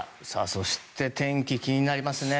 そして、天気が気になりますね。